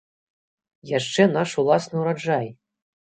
Яшчэ наш уласны ураджай!